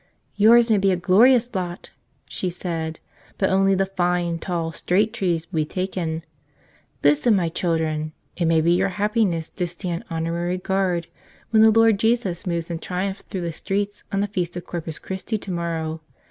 ''Yours may be a glorious lot," she said. "But only the fine, tall, straight trees will be taken. Listen, my children, it may be your happiness to stand hon¬ orary guard when the Lord Jesus moves in triumph through the streets on the feast of Corpus Christi tomorrow.